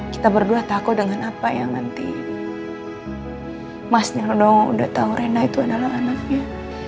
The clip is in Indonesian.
kita berdua takut dengan apa yang nanti mas nyono udah tahu rena itu adalah anaknya